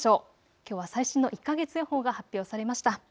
きょうは最新の１か月予報が発表されました。